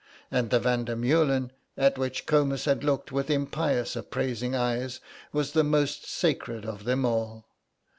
And the Van der Meulen, at which Comus had looked with impious appraising eyes, was the most sacred of them all.